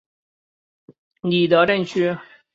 里德镇区。